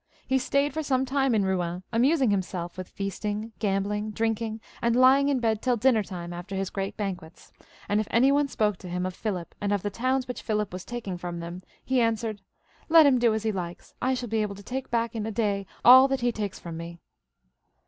He stayed for some time in Eouen, amusing himself with feasting, gambling, drinking, and lying in bed till dinner time after his great banquets, and if any one spoke to him of Philip and of the towns which Philip was taking from him, he answered, " Let him do as he likes. I shall be able to take back in a day all that he takes from me."